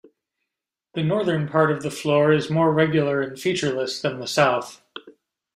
The northern part of the floor is more regular and featureless than the south.